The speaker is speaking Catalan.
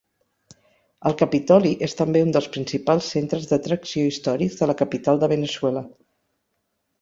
El Capitoli és també un dels principals centres d'atracció històrics de la capital de Veneçuela.